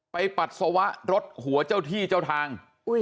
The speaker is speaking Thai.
ปัสสาวะรถหัวเจ้าที่เจ้าทาง